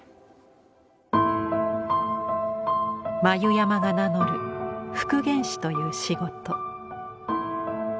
繭山が名乗る復元師という仕事。